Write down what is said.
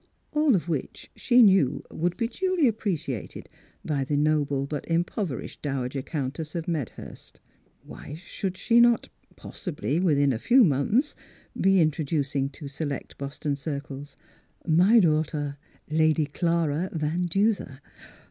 All of which she knew would be duly appreciated Miss Philura's Wedding Gown by the noble but impoverished dowager countess of Meadhurst. Why should she not — possibly within a few months — be introducing to select Boston circles, " my daughter, Lady Clara Van Duser."